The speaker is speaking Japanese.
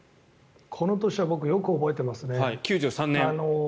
この年は僕、よく覚えていますね。